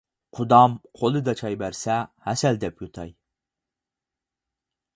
قۇدام قولىدا چاي بەرسە، ھەسەل دەپ يۇتاي.